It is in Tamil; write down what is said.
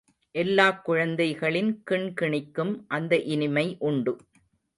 எல்லாக் குழந்தைகளின் கிண் கிணிக்கும் அந்த இனிமை உண்டு.